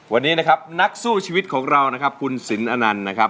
วันนี้นักสู้ชีวิตของเรามสินนันด์